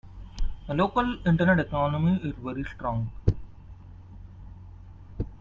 The local internet economy is very strong.